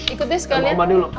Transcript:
itu ala ala